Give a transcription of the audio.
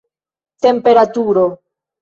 temperaturo